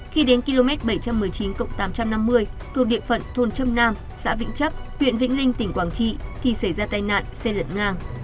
khi đến km bảy trăm một mươi chín tám trăm năm mươi thuộc địa phận thôn trâm nam xã vĩnh chấp huyện vĩnh linh tỉnh quảng trị thì xảy ra tai nạn xe lẩn ngang